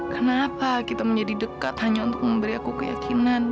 kenapa kita menjadi dekat hanya untuk memberi aku keyakinan